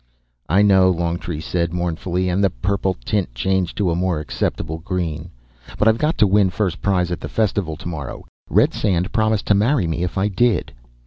"I know," Longtree said mournfully, and the purple tint changed to a more acceptable green. "But I've got to win first prize at the festival tomorrow; Redsand promised to marry me if I did."